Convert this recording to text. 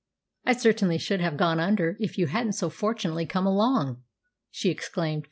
"I certainly should have gone under if you hadn't so fortunately come along!" she exclaimed.